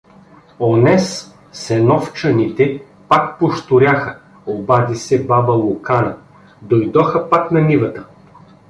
— Онез, сеновчаните, пак пощуряха обади се баба Лукана. — Додоха пак на нивата.